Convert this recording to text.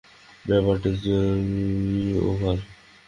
ব্যাপারটা জরুরি, ওভার।